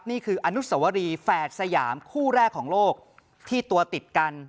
นี่คืออนุสวรีแฝดสยามคู่แรกของโลกที่ตัวติดกัน